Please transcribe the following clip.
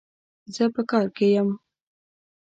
زه په کار کي يم